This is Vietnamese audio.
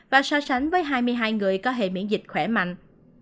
và so sánh với hai mươi hai người có hệ miễn dịch khỏe mạnh